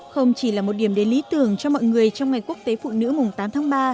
không chỉ là một điểm đến lý tưởng cho mọi người trong ngày quốc tế phụ nữ mùng tám tháng ba